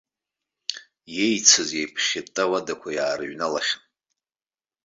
Иеицыз еиԥхьытта ауадақәа иаарыҩналахьан.